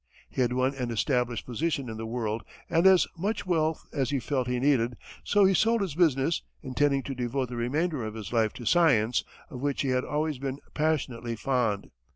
He had won an established position in the world and as much wealth as he felt he needed, so he sold his business, intending to devote the remainder of his life to science, of which he had always been passionately fond.